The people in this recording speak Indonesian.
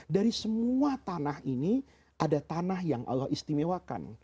dari semua tanah ini ada tanah yang allah istimewakan